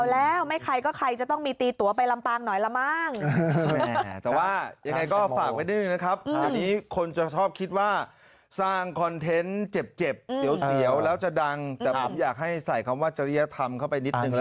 แล้วอยากจะมาดูเหรอครับครับ